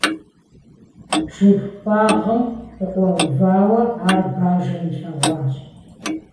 Жыг къуагъым къыкъуэувауэ, ар бажэм илъэгъуащ.